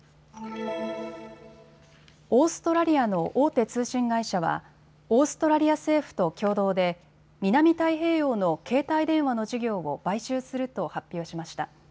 オーストラリアの大手通信会社はオーストラリア政府と共同で南太平洋の携帯電話の事業を買収すると発表しました。